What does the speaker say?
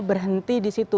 berhenti di situ